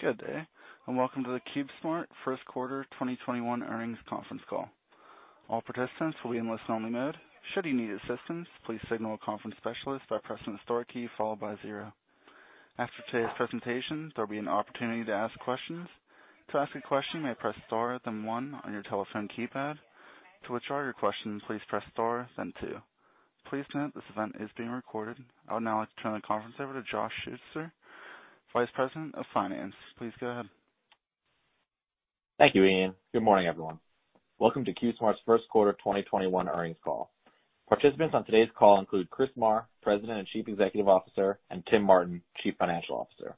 Good day. Welcome to the CubeSmart Q1 2021 Earnings Conference Call. All participants will be in listen only mode. Should you need assistance, please signal a conference specialist by pressing star key followed by zero. After today's presentation, there'll be an opportunity to ask questions. To ask a question, you may press star then one on your telephone keypad. To withdraw your question, please press star then two. Please note this event is being recorded. I would now like to turn the conference over to Josh Schutzer, Vice President of Finance. Please go ahead. Thank you, Ian. Good morning, everyone. Welcome to CubeSmart's Q1 2021 earnings call. Participants on today's call include Chris Marr, President and Chief Executive Officer, and Timothy M. Martin, Chief Financial Officer.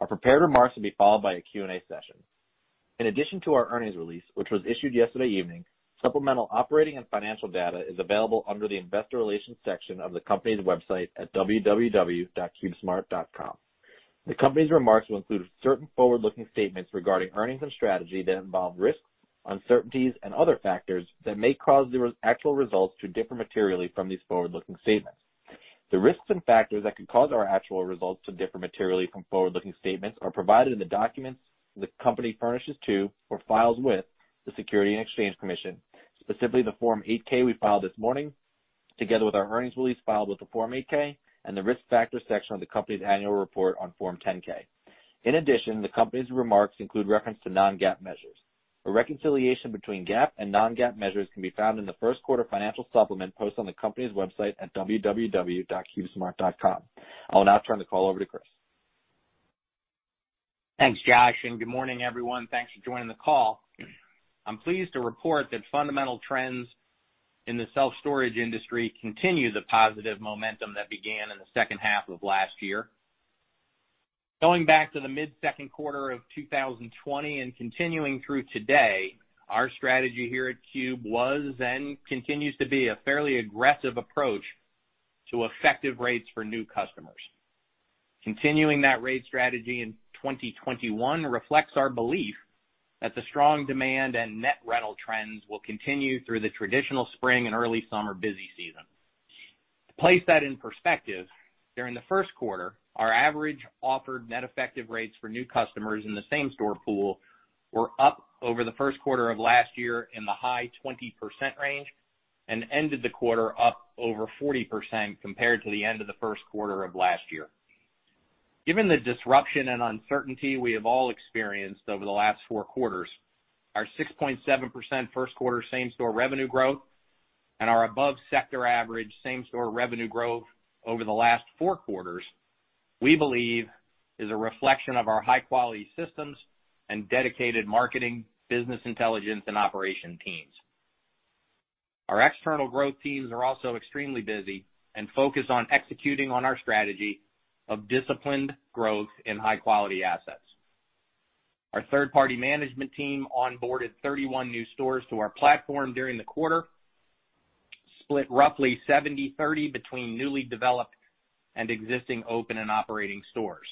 Our prepared remarks will be followed by a Q&A session. In addition to our earnings release, which was issued yesterday evening, supplemental operating and financial data is available under the investor relations section of the company's website at www.cubesmart.com. The company's remarks will include certain forward-looking statements regarding earnings and strategy that involve risks, uncertainties, and other factors that may cause the actual results to differ materially from these forward-looking statements. The risks and factors that could cause our actual results to differ materially from forward-looking statements are provided in the documents the company furnishes to or files with the Securities and Exchange Commission, specifically the Form 8-K, we filed this morning, together with our earnings release filed with the Form 8-K and the risk factor section of the company's annual report on Form 10-K. In addition, the company's remarks include reference to non-GAAP measures. A reconciliation between GAAP and non-GAAP measures can be found in the Q1 financial supplement posted on the company's website at www.cubesmart.com. I'll now turn the call over to Chris. Thanks, Josh, good morning, everyone. Thanks for joining the call. I'm pleased to report that fundamental trends in the self-storage industry continue the positive momentum that began in the H2 of last year. Going back to the mid-second quarter of 2020 and continuing through today, our strategy here at CubeSmart was and continues to be a fairly aggressive approach to effective rates for new customers. Continuing that rate strategy in 2021 reflects our belief that the strong demand and net rental trends will continue through the traditional spring and early summer busy season. To place that in perspective, during the Q1, our average offered net effective rates for new customers in the same-store pool were up over the Q1 of last year in the high 20% range and ended the quarter up over 40% compared to the end of the Q1 of last year. Given the disruption and uncertainty we have all experienced over the last four quarters, our 6.7% Q1 same-store revenue growth and our above sector average same-store revenue growth over the last four quarters, we believe is a reflection of our high-quality systems and dedicated marketing, business intelligence, and operation teams. Our external growth teams are also extremely busy and focused on executing on our strategy of disciplined growth in high-quality assets. Our third-party management team onboarded 31 new stores to our platform during the quarter, split roughly 70/30 between newly developed and existing open and operating stores.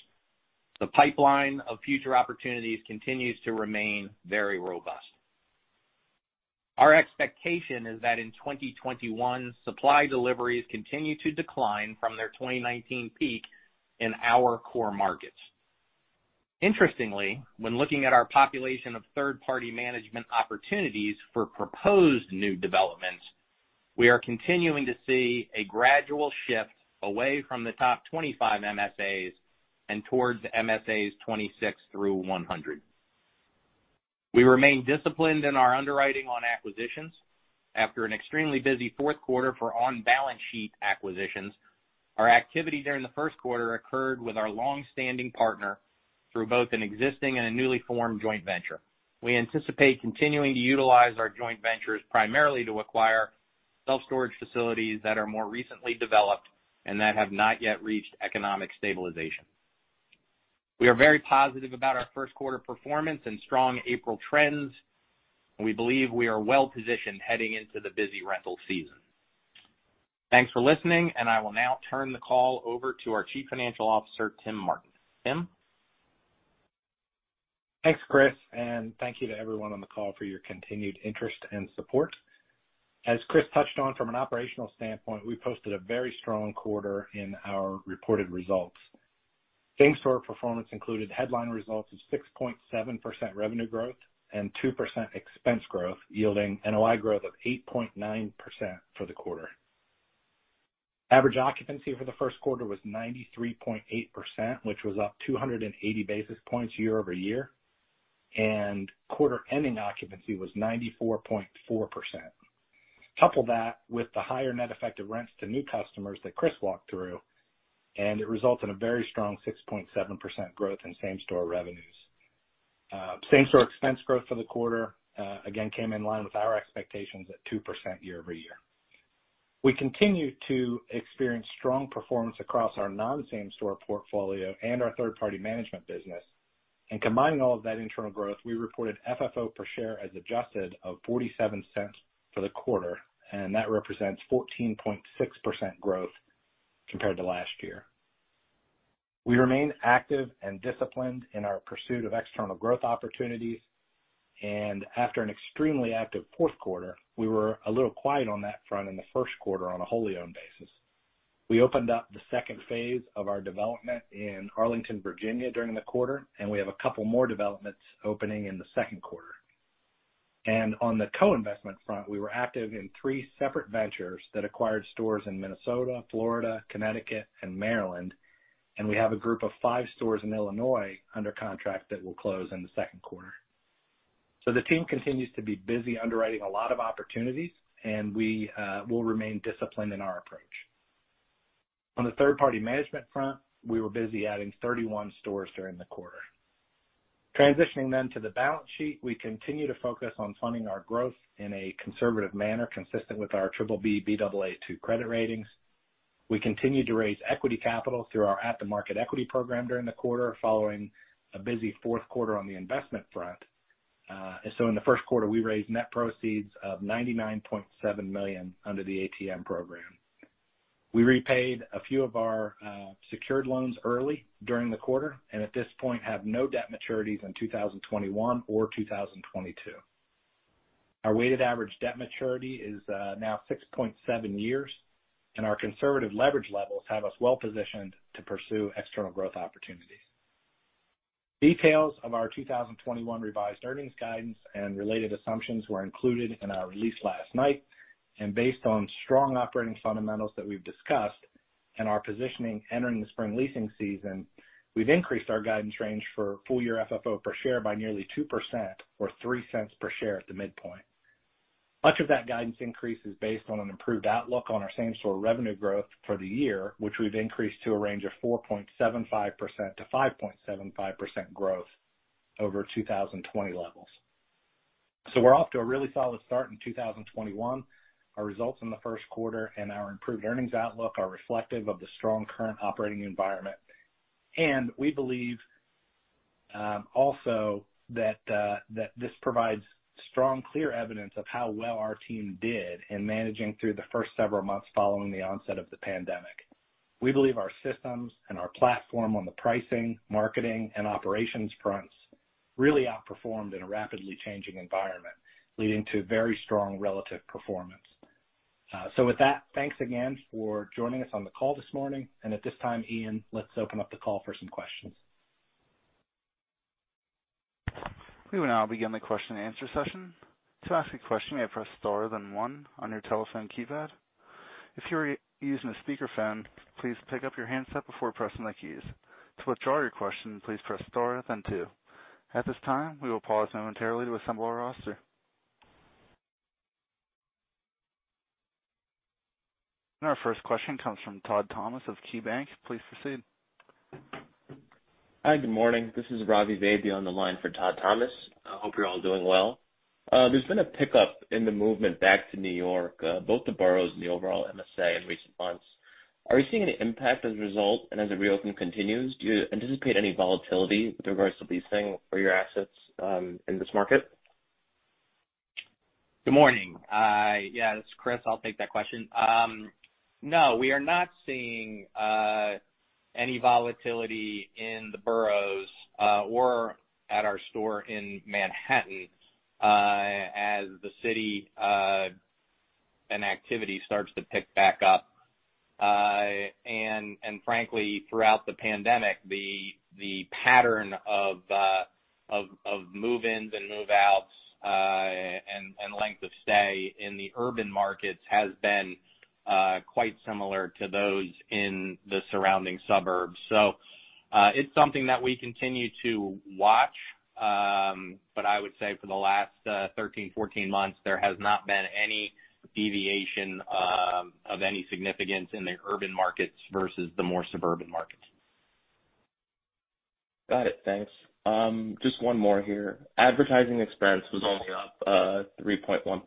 The pipeline of future opportunities continues to remain very robust. Our expectation is that in 2021, supply deliveries continue to decline from their 2019 peak in our core markets. Interestingly, when looking at our population of third-party management opportunities for proposed new developments, we are continuing to see a gradual shift away from the top 25 MSAs and towards MSAs 26 through 100. We remain disciplined in our underwriting on acquisitions after an extremely busy Q4 for on-balance-sheet acquisitions. Our activity during the Q1 occurred with our long-standing partner through both an existing and a newly formed joint venture. We anticipate continuing to utilize our joint ventures primarily to acquire self-storage facilities that are more recently developed and that have not yet reached economic stabilization. We are very positive about our Q1 performance and strong April trends, and we believe we are well-positioned heading into the busy rental season. Thanks for listening, and I will now turn the call over to our Chief Financial Officer, Tim Martin. Tim? Thanks, Chris, and thank you to everyone on the call for your continued interest and support. As Chris touched on from an operational standpoint, we posted a very strong quarter in our reported results. Same-store performance included headline results of 6.7% revenue growth and 2% expense growth, yielding NOI growth of 8.9% for the quarter. Average occupancy for the Q1 was 93.8%, which was up 280 basis points year-over-year, and quarter-ending occupancy was 94.4%. Couple that with the higher net effective rents to new customers that Chris walked through, and it results in a very strong 6.7% growth in same-store revenues. Same-store expense growth for the quarter, again, came in line with our expectations at 2% year-over-year. We continue to experience strong performance across our non-same store portfolio and our third-party management business. In combining all of that internal growth, we reported FFO per share as adjusted of $0.47 for the quarter. That represents 14.6% growth compared to last year. We remain active and disciplined in our pursuit of external growth opportunities. After an extremely active Q4, we were a little quiet on that front in the Q1 on a wholly owned basis. We opened up the second phase of our development in Arlington, Virginia, during the quarter. We have a couple more developments opening in the Q2. On the co-investment front, we were active in three separate ventures that acquired stores in Minnesota, Florida, Connecticut, and Maryland. We have a group of five stores in Illinois under contract that will close in the Q2. The team continues to be busy underwriting a lot of opportunities, and we will remain disciplined in our approach. On the third-party management front, we were busy adding 31 stores during the quarter. Transitioning to the balance sheet. We continue to focus on funding our growth in a conservative manner consistent with our BBB, Baa2 Credit ratings. We continued to raise equity capital through our at-the-market equity program during the quarter, following a busy Q4 on the investment front. In the Q1, we raised net proceeds of $99.7 million under the ATM program. We repaid a few of our secured loans early during the quarter, and at this point have no debt maturities in 2021 or 2022. Our weighted average debt maturity is now 6.7 years, and our conservative leverage levels have us well-positioned to pursue external growth opportunities. Details of our 2021 revised earnings guidance and related assumptions were included in our release last night. Based on strong operating fundamentals that we've discussed and our positioning entering the spring leasing season, we've increased our guidance range for full-year FFO per share by nearly 2% or $0.03 per share at the midpoint. Much of that guidance increase is based on an improved outlook on our same-store revenue growth for the year, which we've increased to a range of 4.75%-5.75% growth over 2020 levels. We're off to a really solid start in 2021. Our results in the Q1 and our improved earnings outlook are reflective of the strong current operating environment. We believe also that this provides strong, clear evidence of how well our team did in managing through the first several months following the onset of the pandemic. We believe our systems and our platform on the pricing, marketing, and operations fronts really outperformed in a rapidly changing environment, leading to very strong relative performance. With that, thanks again for joining us on the call this morning. At this time, Ian, let's open up the call for some questions. We will now begin the question-and-answer session. To ask a question please press star then one on your telephone keypad. If you're using a speaker phone, please pickup your handsets up before pressing the keys. To withdraw your question, please press star and then two. At this time, we will pause momentarily to assemble our roster. Our first question comes from Todd Thomas of KeyBanc. Please proceed. Hi, good morning. This is Ravi Vaidya on the line for Todd Thomas. I hope you're all doing well. There's been a pickup in the movement back to New York, both the boroughs and the overall MSA in recent months. Are you seeing any impact as a result, and as the reopen continues, do you anticipate any volatility with regards to leasing for your assets in this market? Good morning. Yeah, this is Chris. I'll take that question. No, we are not seeing any volatility in the boroughs or at our store in Manhattan as the city and activity starts to pick back up. Frankly, throughout the pandemic, the pattern of move-ins and move-outs and length of stay in the urban markets has been quite similar to those in the surrounding suburbs. It's something that we continue to watch. I would say for the last 13, 14 months, there has not been any deviation of any significance in the urban markets versus the more suburban markets. Got it. Thanks. Just one more here. Advertising expense was only up 3.1%.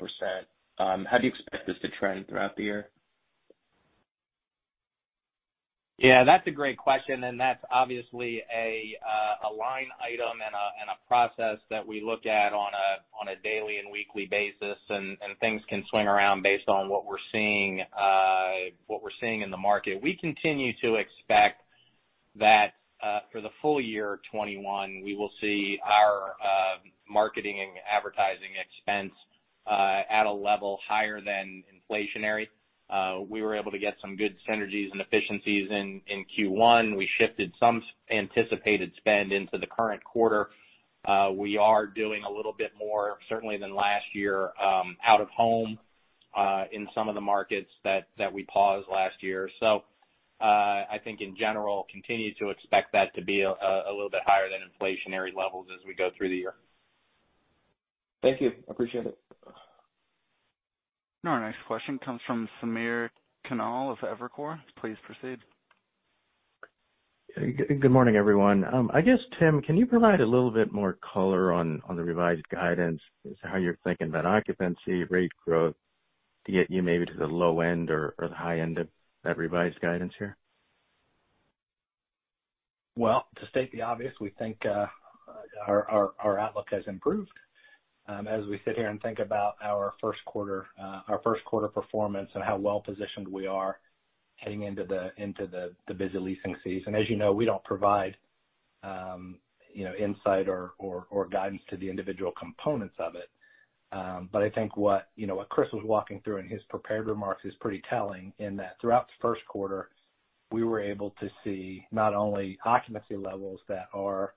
How do you expect this to trend throughout the year? Yeah, that's a great question. That's obviously a line item and a process that we look at on a daily and weekly basis. Things can swing around based on what we're seeing in the market. We continue to expect that for the full-year of 2021, we will see our marketing and advertising expense at a level higher than inflationary. We were able to get some good synergies and efficiencies in Q1. We shifted some anticipated spend into the current quarter. We are doing a little bit more, certainly than last year, out of home in some of the markets that we paused last year. I think in general, continue to expect that to be a little bit higher than inflationary levels as we go through the year. Thank you. Appreciate it. Now our next question comes from Samir Khanal of Evercore. Please proceed. Good morning, everyone. I guess, Tim, can you provide a little bit more color on the revised guidance as to how you're thinking about occupancy, rate growth to get you maybe to the low end or the high end of that revised guidance here? Well, to state the obvious, we think our outlook has improved as we sit here and think about our Q1 performance and how well-positioned we are. Heading into the busy leasing season. As you know, we don't provide insight or guidance to the individual components of it. I think what Chris was walking through in his prepared remarks is pretty telling, in that throughout the Q1, we were able to see not only occupancy levels that are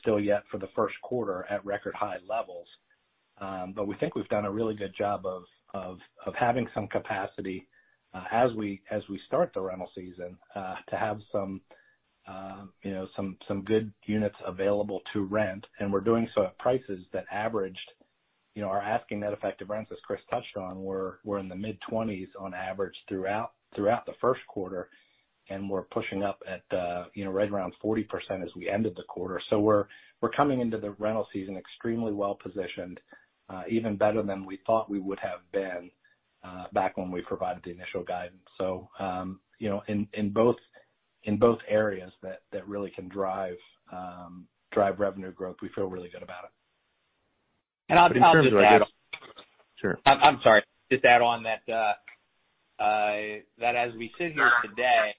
still yet, for the Q1, at record high levels, but we think we've done a really good job of having some capacity as we start the rental season, to have some good units available to rent. We're doing so at prices that averaged our asking net effective rents, as Chris touched on. We're in the mid-20s on average throughout the Q1, and we're pushing up at right around 40% as we ended the quarter. We're coming into the rental season extremely well-positioned, even better than we thought we would have been back when we provided the initial guidance. In both areas that really can drive revenue growth, we feel really good about it. And I'll just add- Sure. I'm sorry. Just add on that as we sit here today,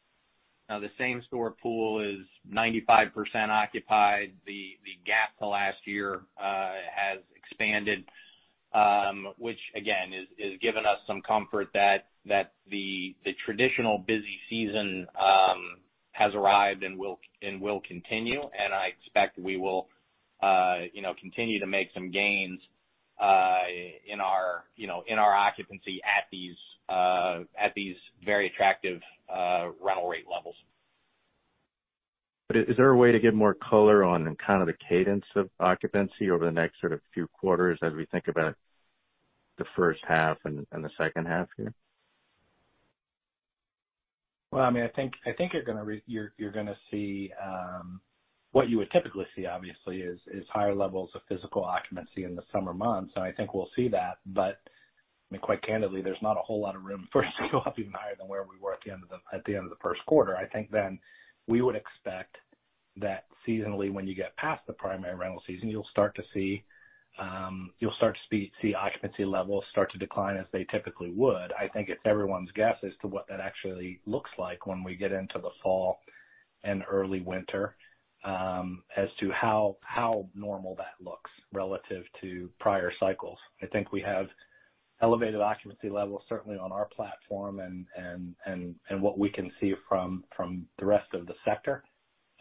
the same store pool is 95% occupied. The gap to last year has expanded, which again, is giving us some comfort that the traditional busy season has arrived and will continue. I expect we will continue to make some gains in our occupancy at these very attractive rental rate levels. Is there a way to give more color on kind of the cadence of occupancy over the next sort of few quarters as we think about the H1 and the H2 here? Well, I think you're going to see what you would typically see, obviously, is higher levels of physical occupancy in the summer months. I think we'll see that. Quite candidly, there's not a whole lot of room for it to go up even higher than where we were at the end of the Q1. I think we would expect that seasonally, when you get past the primary rental season, you'll start to see occupancy levels start to decline as they typically would. I think it's everyone's guess as to what that actually looks like when we get into the fall and early winter as to how normal that looks relative to prior cycles. I think we have elevated occupancy levels, certainly on our platform and what we can see from the rest of the sector.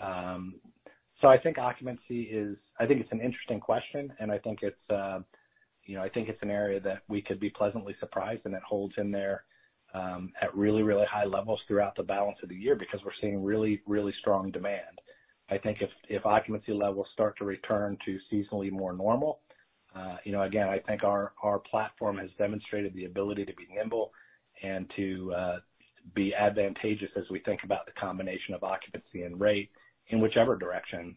I think occupancy is an interesting question, and I think it's an area that we could be pleasantly surprised, and it holds in there at really high levels throughout the balance of the year because we're seeing really strong demand. I think if occupancy levels start to return to seasonally more normal, again, I think our platform has demonstrated the ability to be nimble and to be advantageous as we think about the combination of occupancy and rate, in whichever direction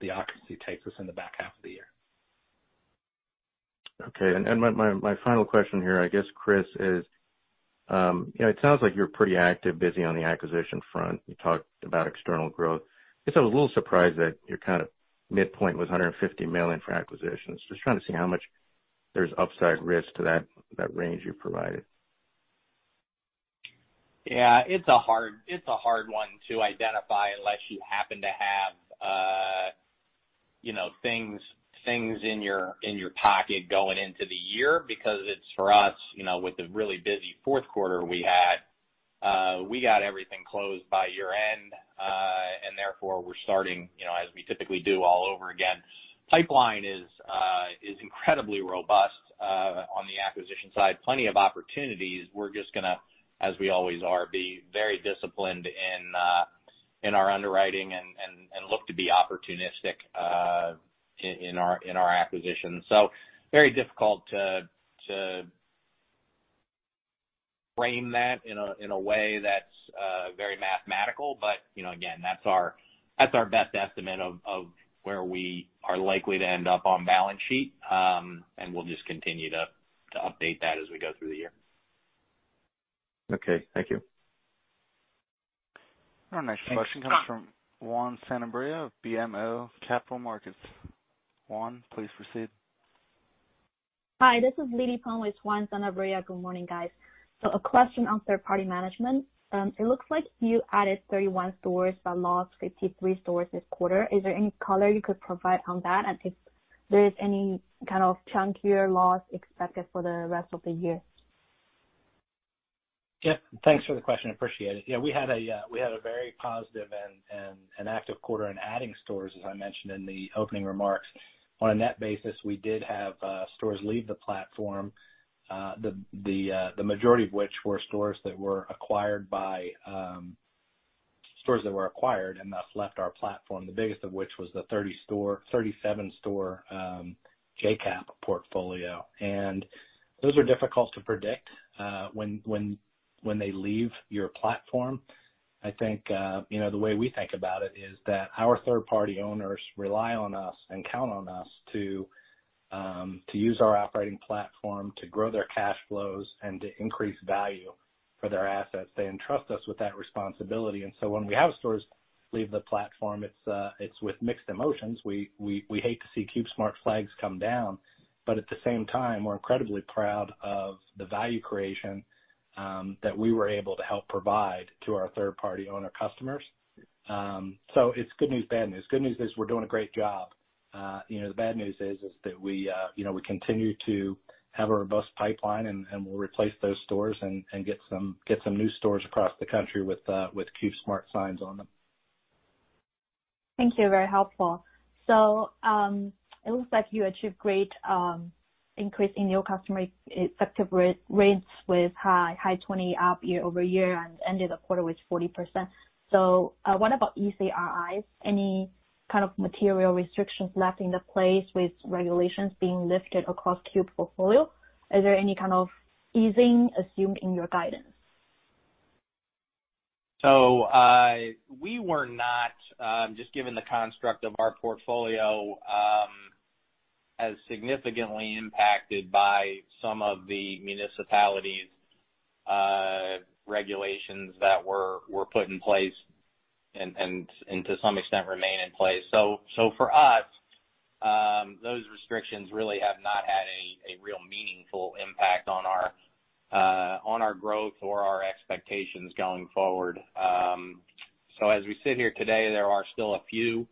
the occupancy takes us in the back half of the year. Okay. My final question here, I guess, Chris, is, it sounds like you're pretty active, busy on the acquisition front. You talked about external growth. I guess I was a little surprised that your kind of midpoint was $150 million for acquisitions. Just trying to see how much there's upside risk to that range you provided. Yeah, it's a hard one to identify unless you happen to have things in your pocket going into the year, because for us, with the really busy Q4 we had, we got everything closed by year-end, therefore we're starting, as we typically do, all over again. Pipeline is incredibly robust on the acquisition side. Plenty of opportunities. We're just going to, as we always are, be very disciplined in our underwriting and look to be opportunistic in our acquisitions. Very difficult to frame that in a way that's very mathematical. Again, that's our best estimate of where we are likely to end up on balance sheet. We'll just continue to update that as we go through the year. Okay. Thank you. Our next question comes from Juan Sanabria of BMO Capital Markets. Juan, please proceed. Hi, this is Liddy Pang with Juan Sanabria. Good morning, guys. A question on third-party management. It looks like you added 31 stores but lost 53 stores this quarter. Is there any color you could provide on that? If there is any kind of chunkier loss expected for the rest of the year? Yep, thanks for the question. Appreciate it. Yeah, we had a very positive and active quarter in adding stores, as I mentioned in the opening remarks. On a net basis, we did have stores leave the platform, the majority of which were stores that were acquired, and thus left our platform, the biggest of which was the 37-store JCAP portfolio. Those are difficult to predict when they leave your platform. The way we think about it is that our third-party owners rely on us and count on us to use our operating platform to grow their cash flows and to increase value for their assets. They entrust us with that responsibility. When we have stores leave the platform, it's with mixed emotions. We hate to see CubeSmart flags come down, but at the same time, we're incredibly proud of the value creation that we were able to help provide to our third-party owner customers. It's good news, bad news. Good news is we're doing a great job. The bad news is that we continue to have a robust pipeline, and we'll replace those stores and get some new stores across the country with CubeSmart signs on them. Thank you. Very helpful. It looks like you achieved great increase in your customer effective rates with high 20% up year-over-year and ended the quarter with 40%. What about ECRI? Any kind of material restrictions left in the place with regulations being lifted across CubeSmart portfolio? Is there any kind of easing assumed in your guidance? We were not, just given the construct of our portfolio, as significantly impacted by some of the municipalities' regulations that were put in place and to some extent remain in place. For us, those restrictions really have not had a real meaningful impact on our growth or our expectations going forward. As we sit here today, there are still a few,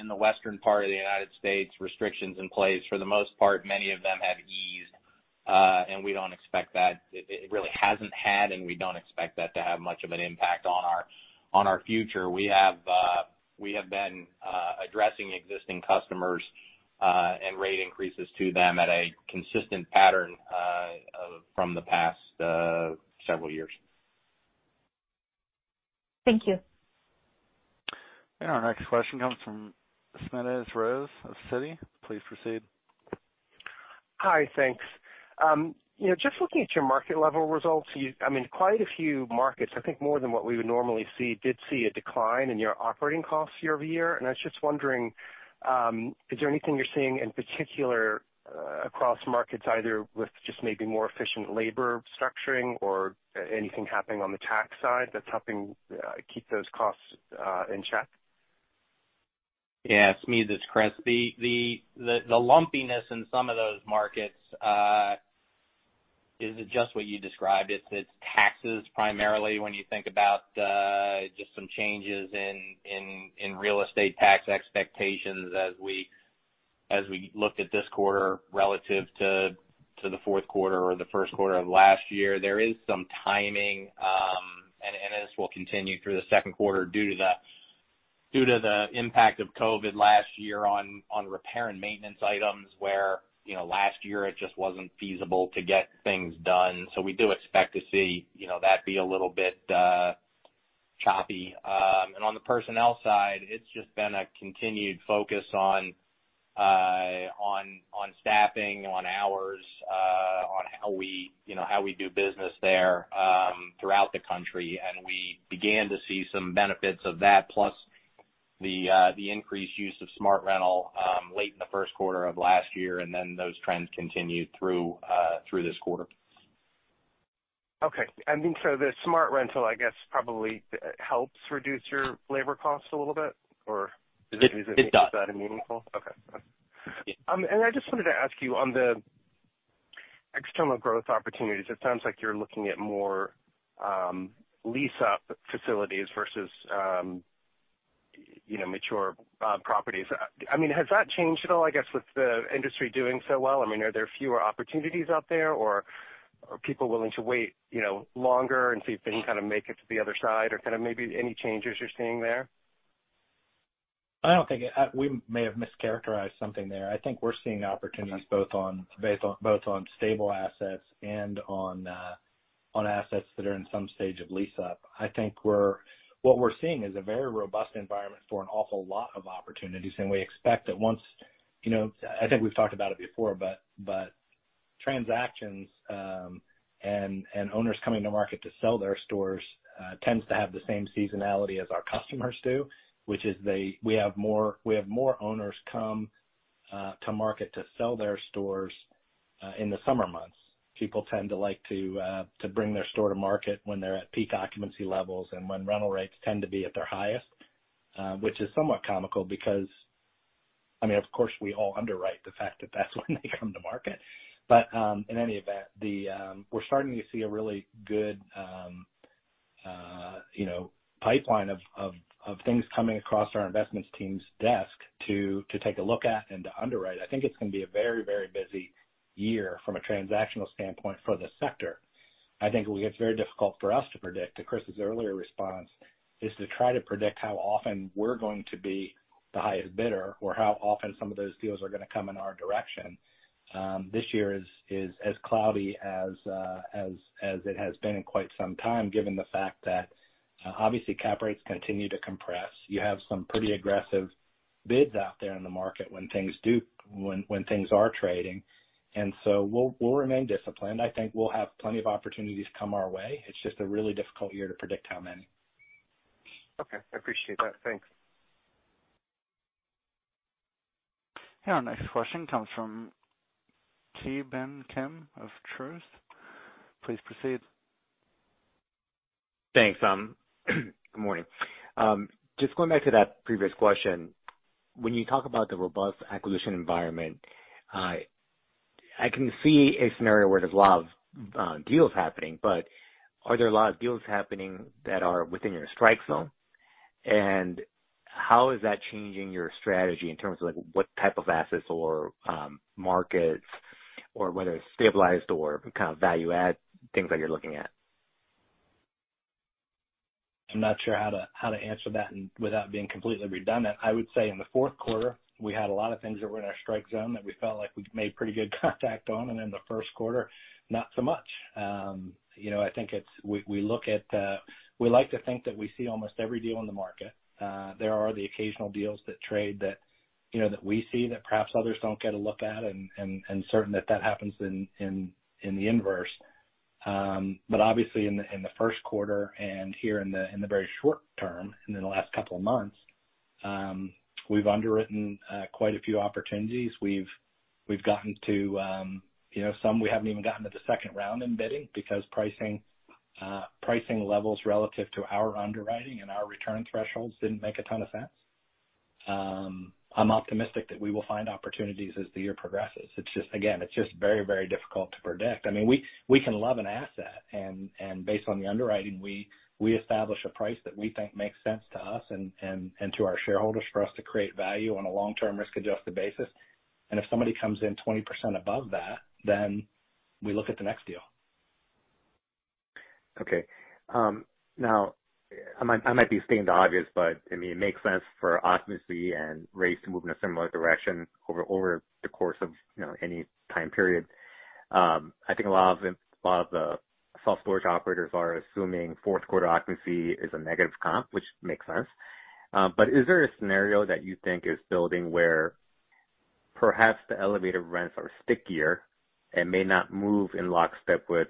in the western part of the United States, restrictions in place. For the most part, many of them have eased. It really hasn't had, and we don't expect that to have much of an impact on our future. We have been addressing existing customers, and rate increases to them at a consistent pattern from the past several years. Thank you. Our next question comes from Smedes Rose of Citi. Please proceed. Hi. Thanks. Just looking at your market level results, quite a few markets, I think more than what we would normally see, did see a decline in your operating costs year-over-year. I was just wondering, is there anything you're seeing in particular across markets, either with just maybe more efficient labor structuring or anything happening on the tax side that's helping keep those costs in check? Yeah. Smedes, it's Chris. The lumpiness in some of those markets is just what you described. It's taxes primarily when you think about just some changes in real estate tax expectations as we looked at this quarter relative to the Q4 or the Q1 of last year. There is some timing, and this will continue through the Q2 due to the impact of COVID last year on repair and maintenance items where last year it just wasn't feasible to get things done. We do expect to see that be a little bit choppy. On the personnel side, it's just been a continued focus on staffing, on hours, on how we do business there throughout the country. We began to see some benefits of that, plus the increased use of SmartRental late in the Q1 of last year, and then those trends continued through this quarter. Okay. The Smart Rental, I guess, probably helps reduce your labor costs a little bit, or- It does. is that meaningful? Okay. Yeah. I just wanted to ask you, on the external growth opportunities, it sounds like you're looking at more lease-up facilities versus mature properties. Has that changed at all, I guess, with the industry doing so well? Are there fewer opportunities out there, or are people willing to wait longer and see if they can kind of make it to the other side, or kind of maybe any changes you're seeing there? I don't think we may have mischaracterized something there. I think we're seeing opportunities both on stable assets and on assets that are in some stage of lease-up. I think what we're seeing is a very robust environment for an awful lot of opportunities. We expect that once I think we've talked about it before, but transactions, and owners coming to market to sell their stores, tends to have the same seasonality as our customers do, which is we have more owners come to market to sell their stores in the summer months. People tend to like to bring their store to market when they're at peak occupancy levels and when rental rates tend to be at their highest. Which is somewhat comical because, of course, we all underwrite the fact that that's when they come to market. In any event, we're starting to see a really good pipeline of things coming across our investments team's desk to take a look at and to underwrite. I think it's going to be a very busy year from a transactional standpoint for the sector. I think what gets very difficult for us to predict, to Chris' earlier response, is to try to predict how often we're going to be the highest bidder or how often some of those deals are going to come in our direction. This year is as cloudy as it has been in quite some time, given the fact that obviously cap rates continue to compress. You have some pretty aggressive bids out there in the market when things are trading. We'll remain disciplined. I think we'll have plenty of opportunities come our way. It's just a really difficult year to predict how many. Okay. I appreciate that. Thanks. Our next question comes from Ki Bin Kim of Truist. Please proceed. Thanks. Good morning. Just going back to that previous question, when you talk about the robust acquisition environment, I can see a scenario where there's a lot of deals happening, but are there a lot of deals happening that are within your strike zone? How is that changing your strategy in terms of what type of assets or markets or whether it's stabilized or kind of value add things that you're looking at? I'm not sure how to answer that without being completely redundant. I would say in the Q4, we had a lot of things that were in our strike zone that we felt like we made pretty good contact on, and in the Q1, not so much. We like to think that we see almost every deal on the market. There are the occasional deals that trade that we see that perhaps others don't get a look at, and certain that that happens in the inverse. Obviously in the Q1 and here in the very short term, in the last couple of months, we've underwritten quite a few opportunities. Some we haven't even gotten to the second round in bidding because pricing levels relative to our underwriting and our return thresholds didn't make a ton of sense. I'm optimistic that we will find opportunities as the year progresses. It's just very difficult to predict. We can love an asset, based on the underwriting, we establish a price that we think makes sense to us and to our shareholders for us to create value on a long-term risk-adjusted basis. If somebody comes in 20% above that, we look at the next deal. Okay. Now I might be stating the obvious, but it makes sense for occupancy and rates to move in a similar direction over the course of any time period. I think a lot of the self-storage operators are assuming Q4 occupancy is a negative comp, which makes sense. Is there a scenario that you think is building where perhaps the elevator rents are stickier and may not move in lockstep with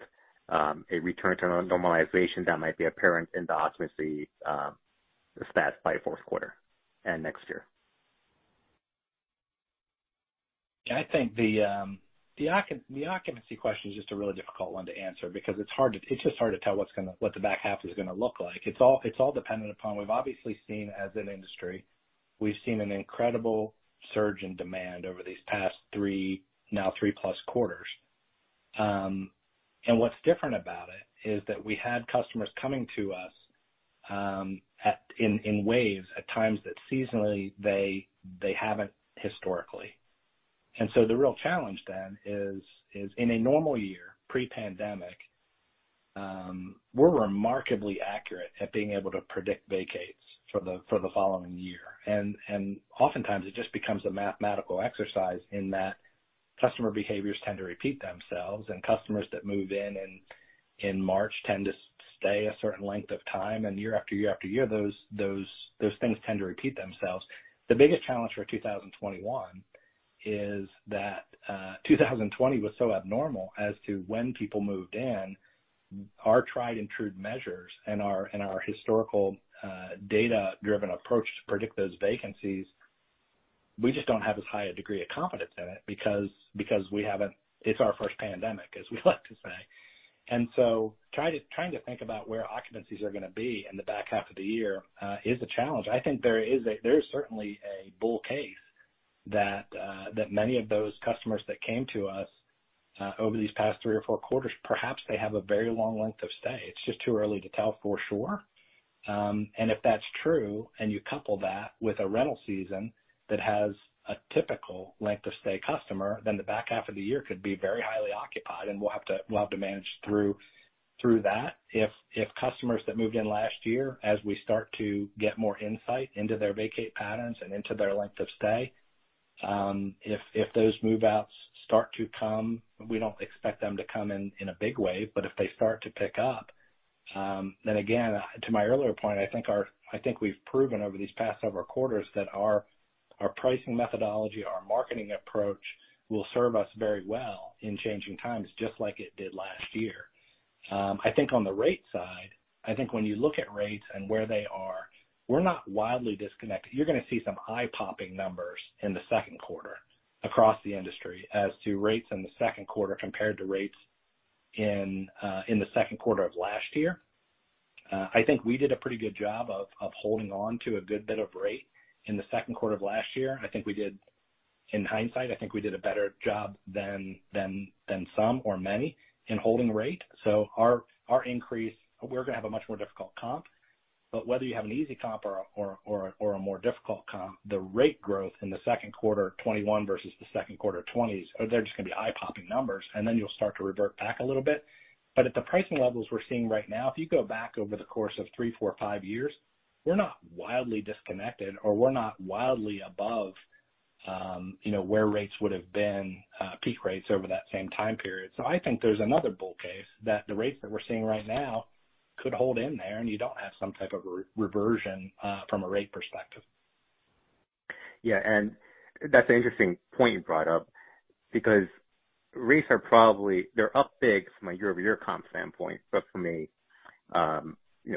a return to normalization that might be apparent in the occupancy stats by Q4 and next year? I think the occupancy question is just a really difficult one to answer because it's just hard to tell what the back half is going to look like. We've obviously seen, as an industry, we've seen an incredible surge in demand over these past three, now 3+ quarters. What's different about it is that we had customers coming to us in waves at times that seasonally they haven't historically. The real challenge then is in a normal year, pre-pandemic, we're remarkably accurate at being able to predict vacates for the following year. Oftentimes it just becomes a mathematical exercise in that customer behaviors tend to repeat themselves, and customers that move in in March tend to stay a certain length of time, and year-after-year, those things tend to repeat themselves. The biggest challenge for 2021 is that 2020 was so abnormal as to when people moved in, our tried and true measures and our historical data-driven approach to predict those vacancies, we just don't have as high a degree of confidence in it because it's our first pandemic, as we like to say. Trying to think about where occupancies are going to be in the back half of the year is a challenge. I think there is certainly a bull case that many of those customers that came to us over these past three or four quarters, perhaps they have a very long length of stay. It's just too early to tell for sure. If that's true, you couple that with a rental season that has a typical length of stay customer, the back half of the year could be very highly occupied and we'll have to manage through that. If customers that moved in last year, as we start to get more insight into their vacate patterns and into their length of stay, if those move-outs start to come, we don't expect them to come in in a big way. If they start to pick up, again, to my earlier point, I think we've proven over these past several quarters that our pricing methodology, our marketing approach will serve us very well in changing times, just like it did last year. I think on the rate side, I think when you look at rates and where they are, we're not wildly disconnected. You're going to see some eye-popping numbers in the Q2 across the industry as to rates in the Q2 compared to rates in the Q2 of last year. I think we did a pretty good job of holding on to a good bit of rate in the Q2 of last year. In hindsight, I think we did a better job than some or many in holding rate. Our increase, we're going to have a much more difficult comp. Whether you have an easy comp or a more difficult comp, the rate growth in the Q2 of 2021 versus the Q2 of 2020, they're just going to be eye-popping numbers, and then you'll start to revert back a little bit. At the pricing levels we're seeing right now, if you go back over the course of three, four, five years, we're not wildly disconnected, or we're not wildly above where rates would've been, peak rates over that same time period. I think there's another bull case that the rates that we're seeing right now could hold in there, and you don't have some type of reversion from a rate perspective. Yeah. That's an interesting point you brought up because rates are probably up big from a year-over-year comp standpoint, but from a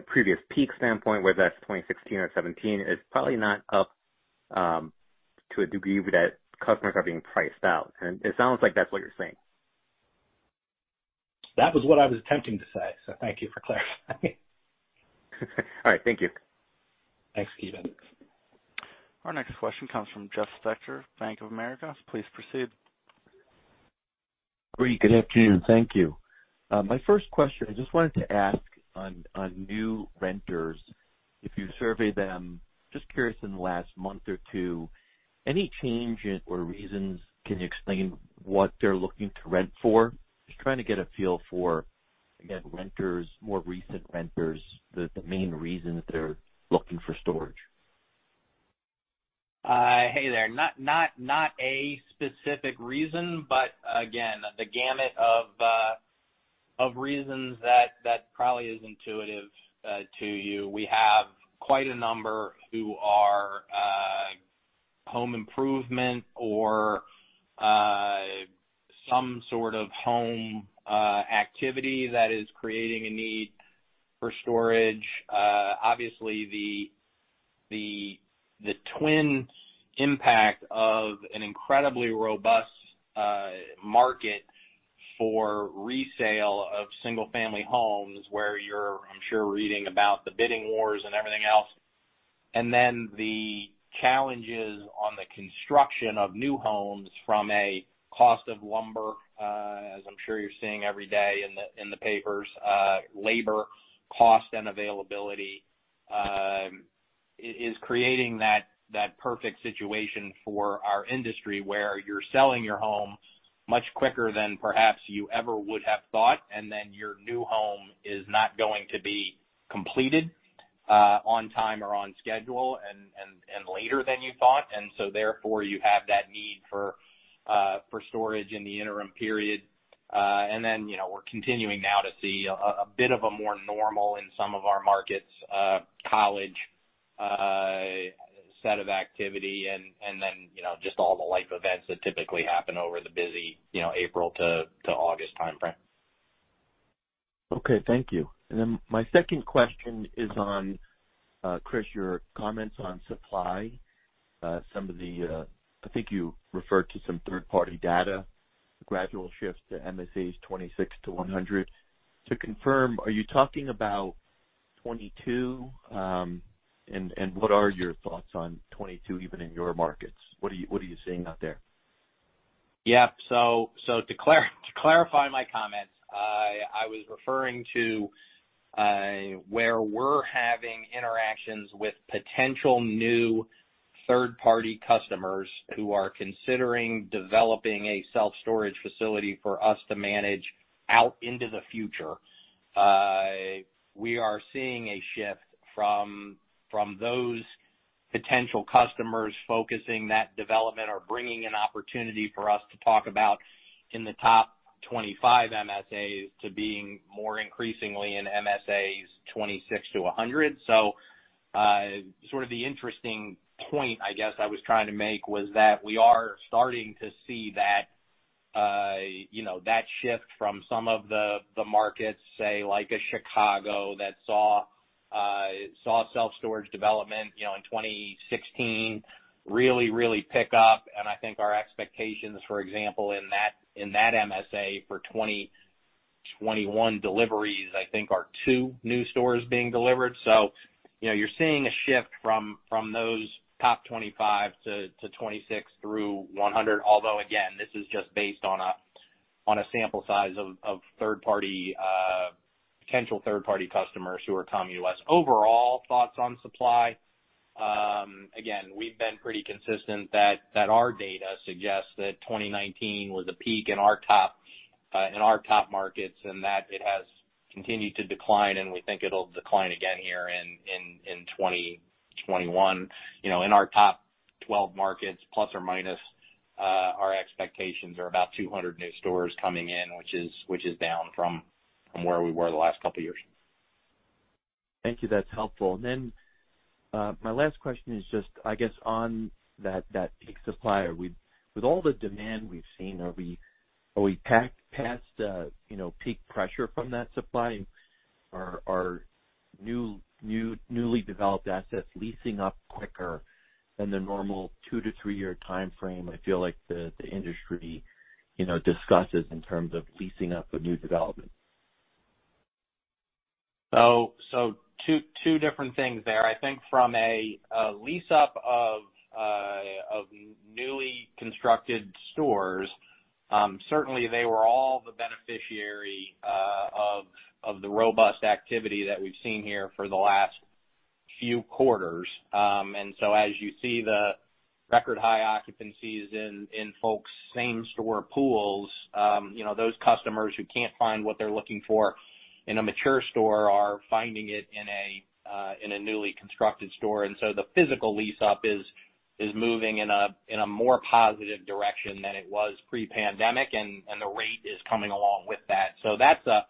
previous peak standpoint, whether that's 2016 or 2017, is probably not up to a degree that customers are being priced out. It sounds like that's what you're saying. That was what I was attempting to say, so thank you for clarifying. All right. Thank you. Thanks, Ki Bin. Our next question comes from Jeffrey Spector, Bank of America. Please proceed. Great. Good afternoon. Thank you. My first question, I just wanted to ask on new renters, if you surveyed them, just curious, in the last month or two, any change in or reasons can you explain what they're looking to rent for? Just trying to get a feel for, again, renters, more recent renters, the main reason that they're looking for storage. Hey there. Not a specific reason, but again, the gamut of reasons that probably is intuitive to you. We have quite a number who are home improvement or some sort of home activity that is creating a need for storage. Obviously, the twin impact of an incredibly robust market for resale of single-family homes where you're, I'm sure, reading about the bidding wars and everything else, and then the challenges on the construction of new homes from a cost of lumber, as I'm sure you're seeing every day in the papers, labor cost and availability, is creating that perfect situation for our industry where you're selling your home much quicker than perhaps you ever would have thought, and then your new home is not going to be completed on time or on schedule and later than you thought. Therefore, you have that need for storage in the interim period. Then, we're continuing now to see a bit of a more normal in some of our markets, college set of activity and then just all the life events that typically happen over the busy April-August timeframe. Okay. Thank you. My second question is on, Chris, your comments on supply. I think you referred to some third-party data, the gradual shift to MSAs 26-100. To confirm, are you talking about 2022? What are your thoughts on 2022 even in your markets? What are you seeing out there? To clarify my comments, I was referring to where we're having interactions with potential new third-party customers who are considering developing a self-storage facility for us to manage out into the future. We are seeing a shift from those potential customers focusing that development or bringing an opportunity for us to talk about in the top 25 MSAs to being more increasingly in MSAs 26-100. Sort of the interesting point, I guess, I was trying to make was that we are starting to see that shift from some of the markets, say like a Chicago that saw self-storage development in 2016 really, really pick up, and I think our expectations, for example, in that MSA for 2021 deliveries, I think, are two new stores being delivered. You're seeing a shift from those top 25 to 26-100. Again, this is just based on a sample size of potential third-party customers who are coming to us. Overall thoughts on supply, again, we've been pretty consistent that our data suggests that 2019 was a peak in our top markets, and that it has continued to decline, and we think it'll decline again here in 2021. In our top 12 markets, plus or minus, our expectations are about 200 new stores coming in, which is down from where we were the last couple of years. Thank you. That's helpful. Then, my last question is just, I guess on that peak supply. With all the demand we've seen, are we past peak pressure from that supply? Are our newly developed assets leasing up quicker than the normal two to three-year timeframe I feel like the industry discusses in terms of leasing up a new development? Two different things there. I think from a lease-up of newly constructed stores, certainly they were all the beneficiary of the robust activity that we've seen here for the last few quarters. As you see the record-high occupancies in folks' same-store pools, those customers who can't find what they're looking for in a mature store are finding it in a newly constructed store. The physical lease-up is moving in a more positive direction than it was pre-pandemic, and the rate is coming along with that. That's a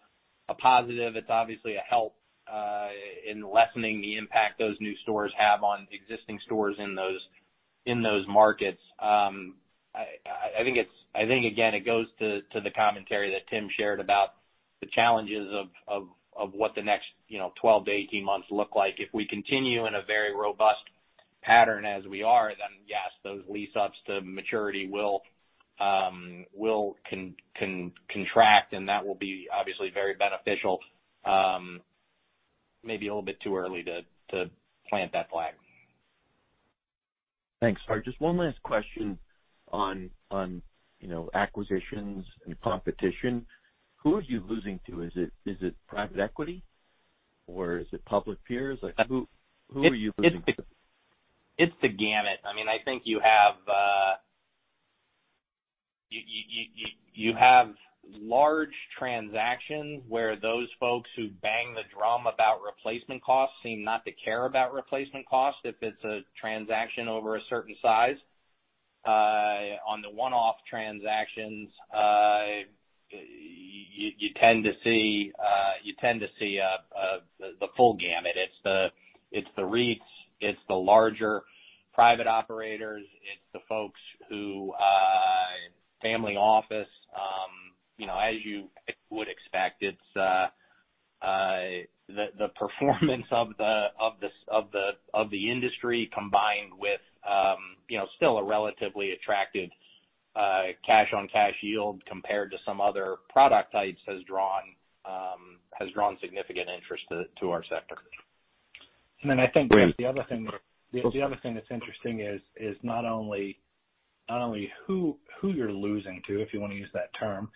positive. It's obviously a help in lessening the impact those new stores have on existing stores in those markets. I think, again, it goes to the commentary that Tim shared about the challenges of what the next 12-18 months look like. If we continue in a very robust pattern as we are, then yes, those lease ups to maturity will contract, and that will be obviously very beneficial. Maybe a little bit too early to plant that flag. Thanks. Just one last question on acquisitions and competition. Who are you losing to? Is it private equity or is it public peers? Like who are you losing to? It's the gamut. I think you have large transactions where those folks who bang the drum about replacement costs seem not to care about replacement costs if it's a transaction over a certain size. On the one-off transactions, you tend to see the full gamut. It's the REITs, it's the larger private operators, it's the folks who, family office as you would expect. The performance of the industry combined with still a relatively attractive cash-on-cash yield compared to some other product types has drawn significant interest to our sector. I think the other thing that's interesting is not only who you're losing to, if you want to use that term,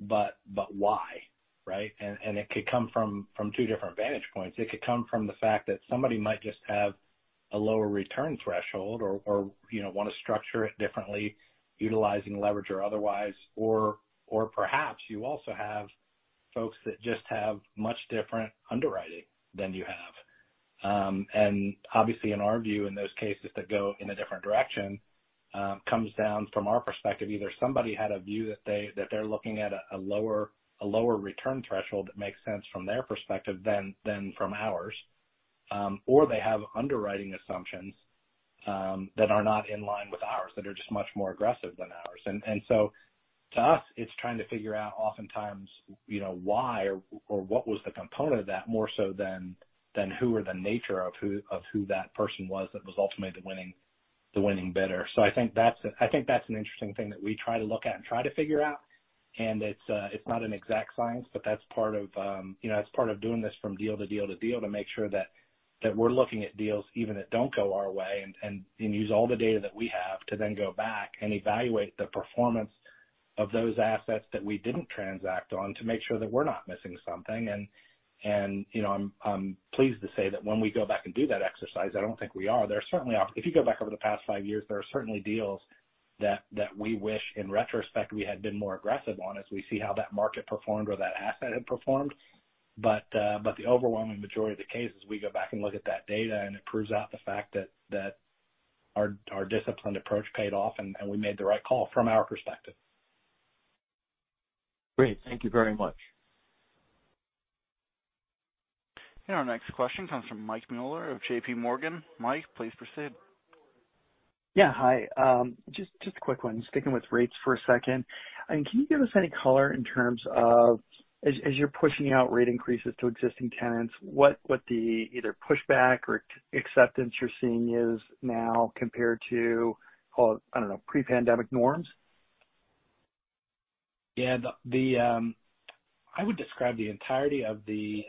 but why, right. It could come from two different vantage points. It could come from the fact that somebody might just have a lower return threshold or want to structure it differently utilizing leverage or otherwise. Perhaps you also have folks that just have much different underwriting than you have. Obviously in our view, in those cases that go in a different direction, comes down from our perspective, either somebody had a view that they're looking at a lower return threshold that makes sense from their perspective than from ours. They have underwriting assumptions that are not in line with ours, that are just much more aggressive than ours. To us, it's trying to figure out oftentimes why or what was the component of that more so than who or the nature of who that person was that was ultimately the winning bidder. I think that's an interesting thing that we try to look at and try to figure out, and it's not an exact science, but that's part of doing this from deal to deal to deal to make sure that we're looking at deals even that don't go our way and use all the data that we have to then go back and evaluate the performance of those assets that we didn't transact on to make sure that we're not missing something. I'm pleased to say that when we go back and do that exercise, I don't think we are. If you go back over the past five years, there are certainly deals that we wish in retrospect, we had been more aggressive on as we see how that market performed or that asset had performed. The overwhelming majority of the cases, we go back and look at that data, and it proves out the fact that our disciplined approach paid off, and we made the right call from our perspective. Great. Thank you very much. Our next question comes from Mike Mueller of J.P. Morgan. Mike, please proceed. Yeah. Hi. Just a quick one, sticking with rates for a second. Can you give us any color in terms of, as you're pushing out rate increases to existing tenants, what the either pushback or acceptance you're seeing is now compared to, call it, I don't know, pre-pandemic norms? Yeah. I would describe the entirety of the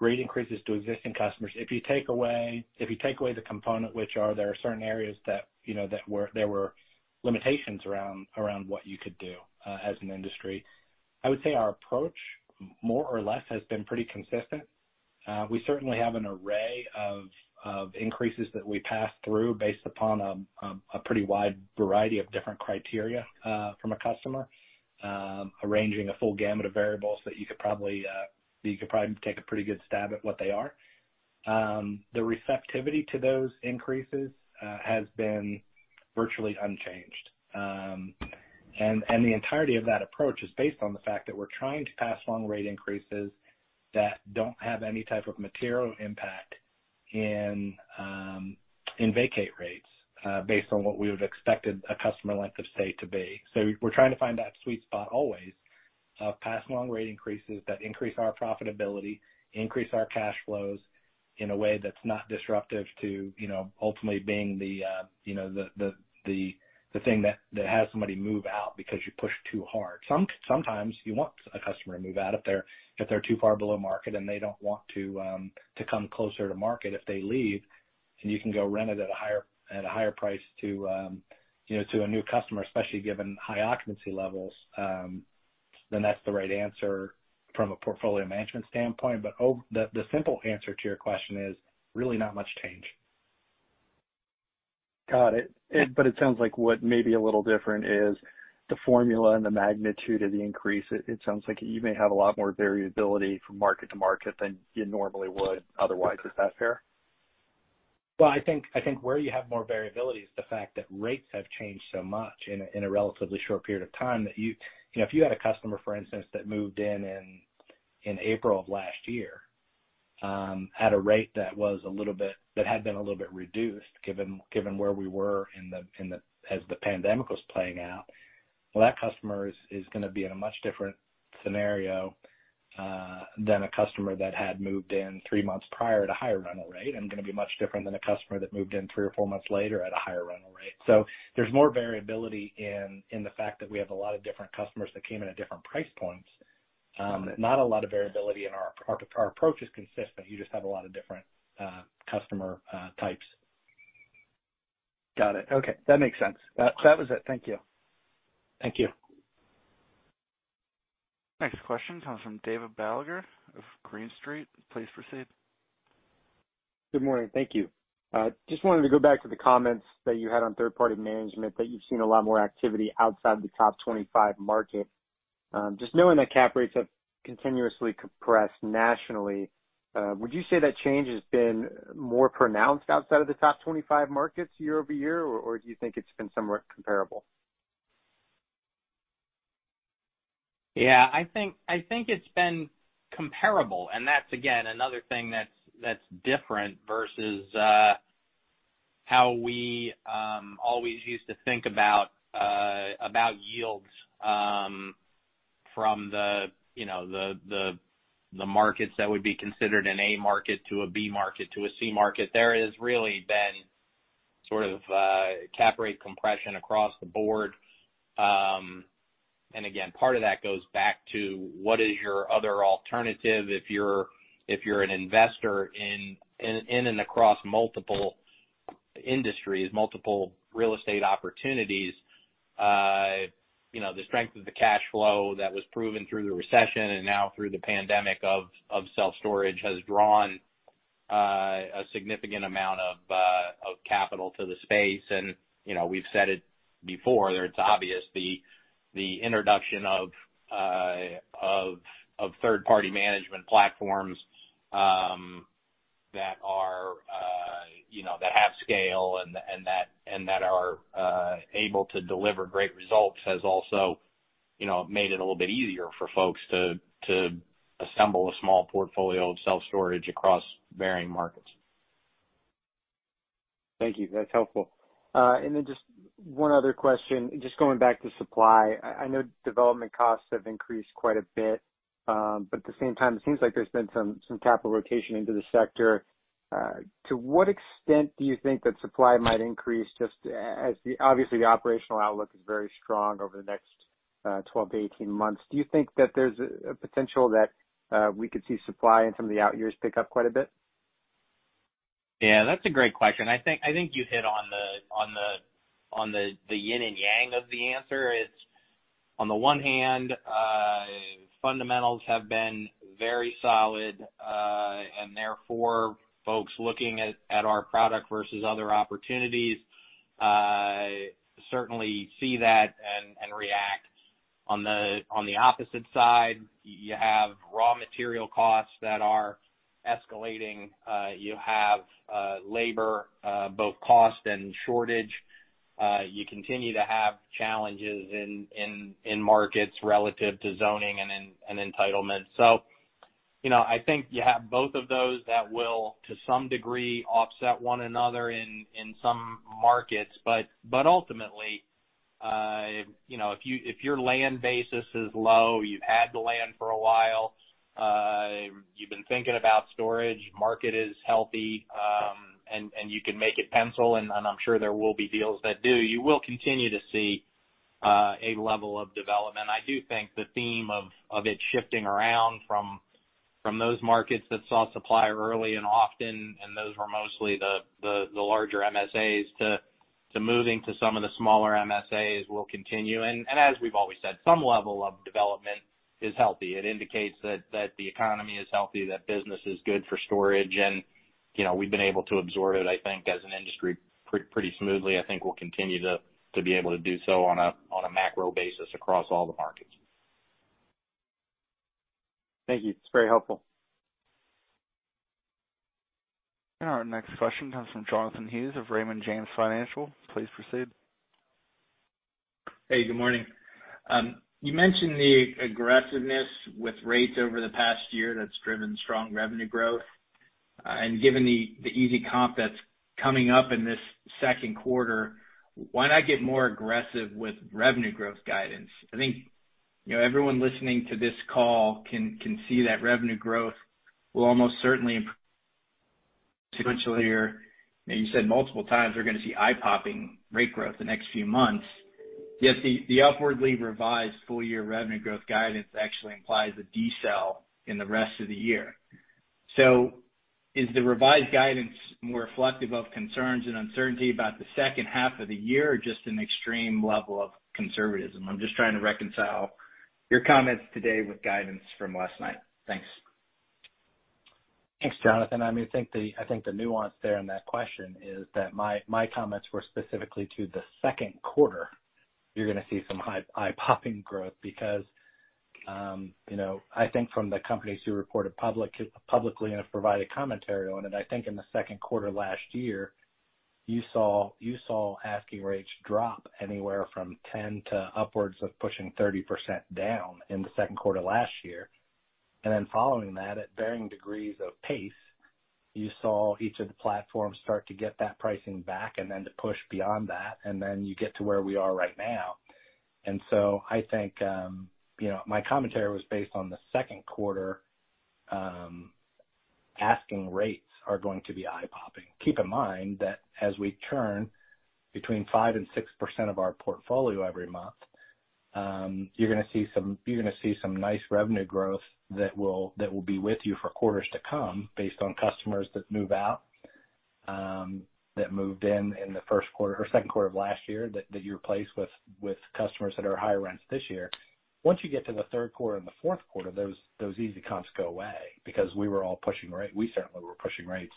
rate increases to existing customers. If you take away the component, there are certain areas that there were limitations around what you could do as an industry. I would say our approach, more or less, has been pretty consistent. We certainly have an array of increases that we pass through based upon a pretty wide variety of different criteria from a customer. Arranging a full gamut of variables that you could probably take a pretty good stab at what they are. The receptivity to those increases has been virtually unchanged. The entirety of that approach is based on the fact that we're trying to pass along rate increases that don't have any type of material impact in vacate rates based on what we would have expected a customer length of stay to be. We're trying to find that sweet spot always of pass along rate increases that increase our profitability, increase our cash flows in a way that's not disruptive to ultimately being the thing that has somebody move out because you push too hard. Sometimes you want a customer to move out if they're too far below market and they don't want to come closer to market. If they leave, then you can go rent it at a higher price to a new customer, especially given high occupancy levels then that's the right answer from a portfolio management standpoint. The simple answer to your question is really not much change. Got it. It sounds like what may be a little different is the formula and the magnitude of the increase. It sounds like you may have a lot more variability from market-to-market than you normally would otherwise. Is that fair? I think where you have more variability is the fact that rates have changed so much in a relatively short period of time that if you had a customer, for instance, that moved in April of last year at a rate that had been a little bit reduced, given where we were as the pandemic was playing out. That customer is going to be in a much different scenario than a customer that had moved in three months prior at a higher rental rate, and going to be much different than a customer that moved in three or four months later at a higher rental rate. There's more variability in the fact that we have a lot of different customers that came in at different price points. Not a lot of variability in our approach is consistent. You just have a lot of different customer types. Got it. Okay. That makes sense. That was it. Thank you. Thank you. Next question comes from David Balleur of Green Street. Please proceed. Good morning. Thank you. Just wanted to go back to the comments that you had on third-party management, that you've seen a lot more activity outside the top 25 market. Knowing that cap rates have continuously compressed nationally, would you say that change has been more pronounced outside of the top 25 markets year-over-year, or do you think it's been somewhat comparable? Yeah, I think it's been comparable. That's, again, another thing that's different versus how we always used to think about yields from the markets that would be considered an A market to a B market to a C market. There has really been sort of cap rate compression across the board. Again, part of that goes back to what is your other alternative if you're an investor in and across multiple industries, multiple real estate opportunities. The strength of the cash flow that was proven through the recession and now through the pandemic of self-storage has drawn a significant amount of capital to the space. We've said it before, it's obvious the introduction of third-party management platforms that have scale and that are able to deliver great results has also made it a little bit easier for folks to assemble a small portfolio of self-storage across varying markets. Thank you. That's helpful. Just one other question, just going back to supply. I know development costs have increased quite a bit. At the same time, it seems like there's been some capital rotation into the sector. To what extent do you think that supply might increase, just as obviously the operational outlook is very strong over the next 12-18 months. Do you think that there's a potential that we could see supply in some of the out years pick up quite a bit? That's a great question. I think you hit on the yin and yang of the answer. It's on the one hand, fundamentals have been very solid, and therefore folks looking at our product versus other opportunities certainly see that and react. On the opposite side, you have raw material costs that are escalating. You have labor, both cost and shortage. You continue to have challenges in markets relative to zoning and entitlement. I think you have both of those that will, to some degree, offset one another in some markets. Ultimately, if your land basis is low, you've had the land for a while, you've been thinking about storage, market is healthy, and you can make it pencil, and I'm sure there will be deals that do, you will continue to see a level of development. I do think the theme of it shifting around from those markets that saw supply early and often, and those were mostly the larger MSAs, to moving to some of the smaller MSAs will continue. As we've always said, some level of development is healthy. It indicates that the economy is healthy, that business is good for storage, and we've been able to absorb it, I think, as an industry pretty smoothly. I think we'll continue to be able to do so on a macro basis across all the markets. Thank you. It's very helpful. Our next question comes from Jonathan Hughes of Raymond James Financial. Please proceed. Hey, good morning. You mentioned the aggressiveness with rates over the past year that's driven strong revenue growth. Given the easy comp that's coming up in this Q2, why not get more aggressive with revenue growth guidance? I think everyone listening to this call can see that revenue growth will almost certainly sequentially year. You said multiple times we're going to see eye-popping rate growth the next few months. Yet the upwardly revised full-year revenue growth guidance actually implies a decel in the rest of the year. Is the revised guidance more reflective of concerns and uncertainty about the H2 of the year, or just an extreme level of conservatism? I'm just trying to reconcile your comments today with guidance from last night. Thanks. Thanks, Jonathan. I think the nuance there in that question is that my comments were specifically to the second quarter, you're going to see some eye-popping growth because, I think from the companies who reported publicly and have provided commentary on it, I think in the Q2 last year. You saw asking rates drop anywhere from 10 to upwards of pushing 30% down in the Q2 last year. Following that, at varying degrees of pace, you saw each of the platforms start to get that pricing back and then to push beyond that, and then you get to where we are right now. I think my commentary was based on the Q2, asking rates are going to be eye-popping. Keep in mind that as we turn between 5% and 6% of our portfolio every month, you're going to see some nice revenue growth that will be with you for quarters to come based on customers that move out, that moved in the Q1 or Q2 of last year that you replaced with customers that are higher rents this year. Once you get to the Q3 and the Q4, those easy comps go away because we were all pushing rates. We certainly were pushing rates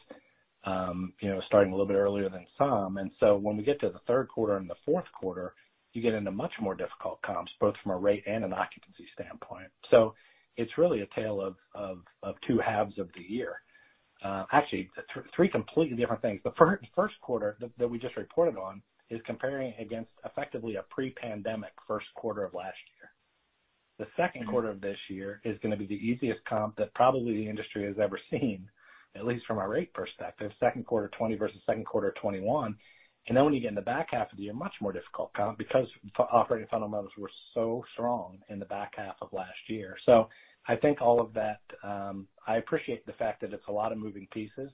starting a little bit earlier than some. When we get to the Q3 and the Q4, you get into much more difficult comps, both from a rate and an occupancy standpoint. It's really a tale of two halves of the year. Actually, three completely different things. The Q1 that we just reported on is comparing against effectively a pre-pandemic Q1 of last year. The Q2 of this year is going to be the easiest comp that probably the industry has ever seen, at least from a rate perspective, Q2 2020 versus Q2 2021. When you get in the back half of the year, much more difficult comp because operating fundamentals were so strong in the back half of last year. I think all of that, I appreciate the fact that it's a lot of moving pieces,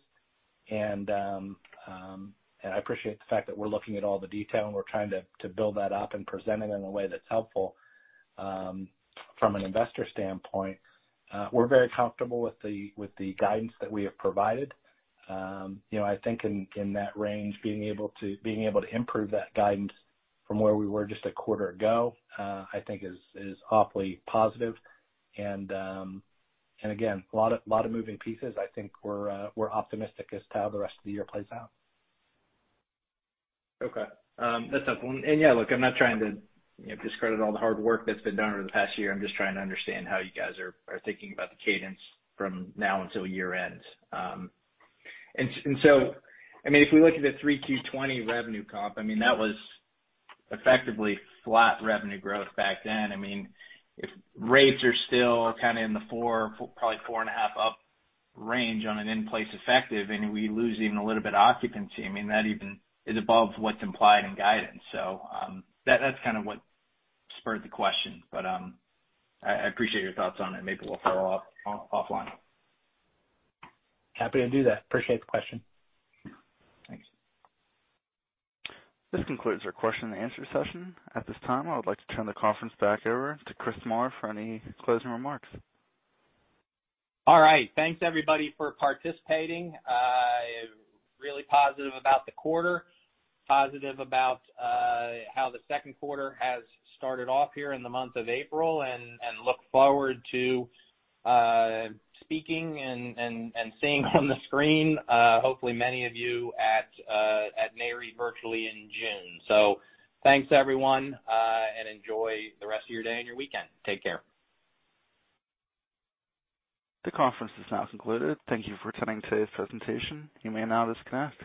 and I appreciate the fact that we're looking at all the detail, and we're trying to build that up and present it in a way that's helpful from an investor standpoint. We're very comfortable with the guidance that we have provided. I think in that range, being able to improve that guidance from where we were just a quarter ago, I think is awfully positive. Again, a lot of moving pieces. I think we're optimistic as to how the rest of the year plays out. Okay. That's helpful. Yeah, look, I'm not trying to discredit all the hard work that's been done over the past year. I'm just trying to understand how you guys are thinking about the cadence from now until year-end. If we look at the 3Q 2020 revenue comp, that was effectively flat revenue growth back then. If rates are still kind of in the probably 4.5 up range on an in-place effective, and we lose even a little bit of occupancy, that even is above what's implied in guidance. That's kind of what spurred the question, but I appreciate your thoughts on it. Maybe we'll follow up offline. Happy to do that. Appreciate the question. Thanks. This concludes our question-and-answer session. At this time, I would like to turn the conference back over to Christopher Marr for any closing remarks. All right. Thanks, everybody, for participating. Really positive about the quarter, positive about how the Q2 has started off here in the month of April, and look forward to speaking and seeing on the screen hopefully many of you at Nareit virtually in June. Thanks, everyone, and enjoy the rest of your day and your weekend. Take care. The conference is now concluded. Thank you for attending today's presentation. You may now disconnect.